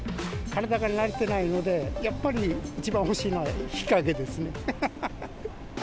体が慣れてないので、やっぱり一番欲しいのは日陰ですね。